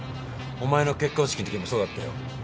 お前の結婚式のときもそうだったよ。